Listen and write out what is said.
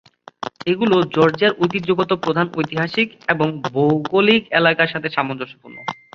এগুলো জর্জিয়ার ঐতিহ্যগত প্রধান ঐতিহাসিক এবং ভৌগোলিক এলাকার সাথে সামঞ্জস্যপূর্ণ।